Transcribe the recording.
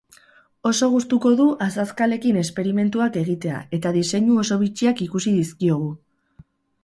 Oso gustuko du azazkalekin esperimentuak egitea eta diseinu oso bitxiak ikusi dizkiogu.